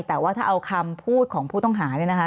แต่ว่าถ้าเอาคำพูดของผู้ต้องหาเนี่ยนะคะ